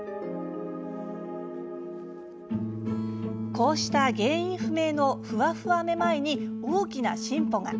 こうした原因不明のフワフワめまいに大きな進歩が。